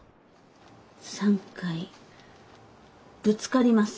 ３回ぶつかります。